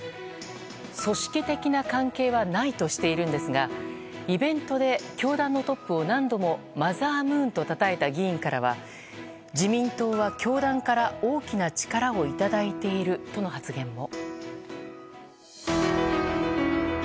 組織的な関係はないとしているんですがイベントで教団のトップを何度もマザームーンとたたえた議員からは、自民党は教団から大きな力をいただいているとの発言も。